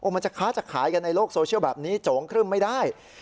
มันจะค้าจะขายกันในโลกโซเชียลแบบนี้โจ๋งครึ่มไม่ได้